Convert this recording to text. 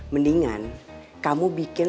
mendingan kamu bikin